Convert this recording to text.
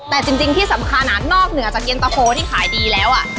แต่จริงที่สำคัญนอกเหนือจากเย็นตะโฟที่ขายดีแล้ว